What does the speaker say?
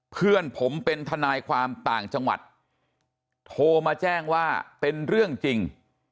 เพื่อนผมเป็นทนายความต่างจังหวัดโทรมาแจ้งว่าเป็นเรื่องจริง